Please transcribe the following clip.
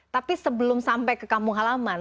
tapi sebelum sampai ke kampung halaman